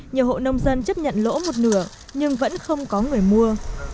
nhiều hộ nông dân chấp nhận lỗ một nửa nhưng vẫn không có người mua